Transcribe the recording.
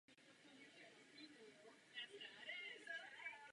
Můstek je vyroben ze slitiny hliníku.